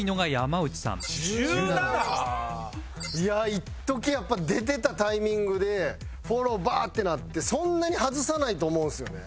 いっときやっぱ出てたタイミングでフォローバーッてなってそんなに外さないと思うんですよね。